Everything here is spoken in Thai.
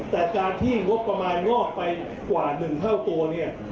แต่การที่งบประมาณงอกไปกว่า๑เท่าตัวเนี่ย